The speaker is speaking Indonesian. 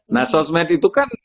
nah sosmed itu kan